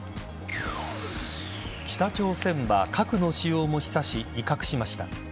北朝鮮は核の使用も示唆し威嚇しました。